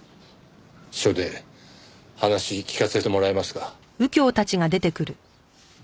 署で話聞かせてもらえますか？